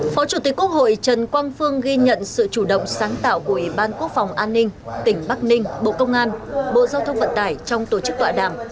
phó chủ tịch quốc hội trần quang phương ghi nhận sự chủ động sáng tạo của ubnd tỉnh bắc ninh bộ công an bộ giao thông vận tải trong tổ chức tọa đàm